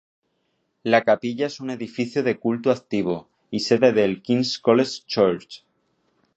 La capilla es un edificio de culto activo y sede del King's College Choir.